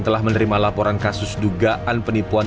telah menerima laporan kasus dugaan penipuan